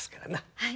はい。